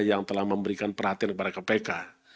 yang telah memberikan perhatian kepada kpk